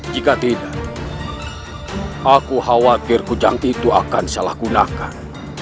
jika tidak aku khawatir kujang itu akan salah gunakan